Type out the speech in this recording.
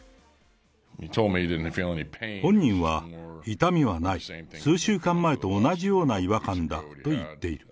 本人は痛みはない、数週間前と同じような違和感だと言っている。